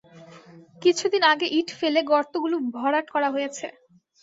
কিছুদিন আগে ইট ফেলে গর্তগুলো ভরাট করা হয়েছে।